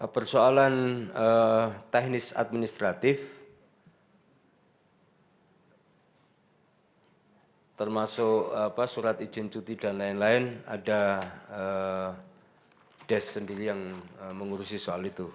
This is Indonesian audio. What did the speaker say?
persoalan teknis administratif termasuk surat izin cuti dan lain lain ada des sendiri yang mengurusi soal itu